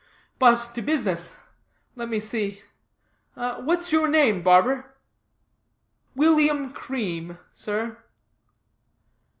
But to business. Let me see. What's your name, barber?" "William Cream, sir."